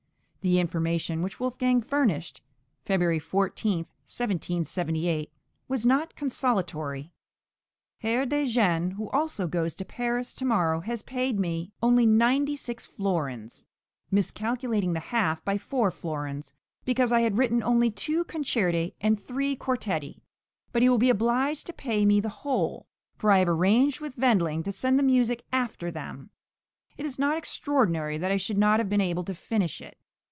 The information which Wolfgang furnished (February 14, 1778) was not consolatory: Herr de Jean, who also goes to Paris to morrow, has paid me only ninety six florins (miscalculating the half by four florins) because I had written only two concerti and three quartetti. But he will be obliged to pay me the whole, for I have arranged with Wendling to send the music after them. It is not extraordinary that I should not have been able to finish it.